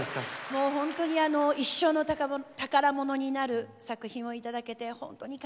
もう本当に一生の宝物になる作品を頂けて本当に感謝しています。